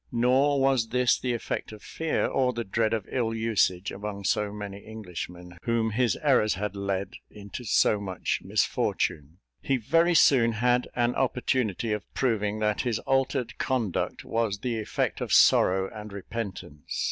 Nor was this the effect of fear, or the dread of ill usage among so many Englishmen, whom his errors had led into so much misfortune. He very soon had an opportunity of proving that his altered conduct was the effect of sorrow and repentance.